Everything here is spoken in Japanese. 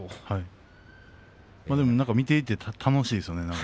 でも見ていて楽しいですよね。